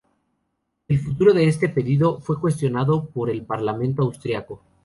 El futuro de este pedido fue cuestionado por el Parlamento austriaco.